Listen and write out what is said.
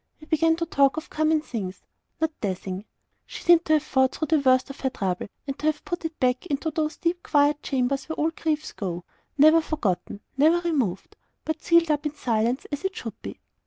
We began to talk of common things not THE thing. She seemed to have fought through the worst of her trouble, and to have put it back into those deep quiet chambers where all griefs go; never forgotten, never removed, but sealed up in silence, as it should be.